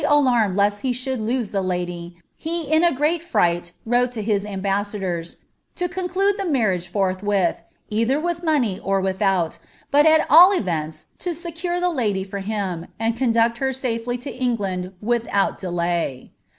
49 alarmed lest he should lose Uie lady, he in a ^cat fright wrote to his ambassadors, ^ to conclude the marriage forthwith, either with money or without, but at all events to secure the lady for him, and conduct her wttdy to England without delay."